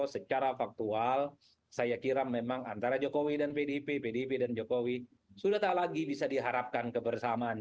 secara faktual saya kira memang antara jokowi dan pdip pdip dan jokowi sudah tak lagi bisa diharapkan kebersamaan